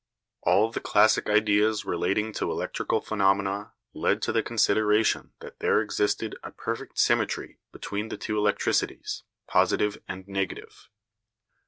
All the classic ideas relating to electrical phenomena led to the consideration that there existed a perfect symmetry between the two electricities, positive and negative.